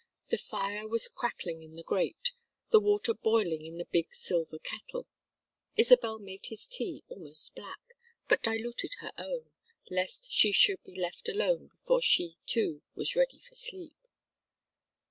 The fire was crackling in the grate, the water boiling in the big silver kettle. Isabel made his tea almost black, but diluted her own, lest she should be left alone before she too was ready for sleep.